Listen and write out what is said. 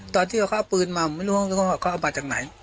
ตอนที่เขาเอาปืนมาผมไม่รู้ว่าเขาเอามาจากไหน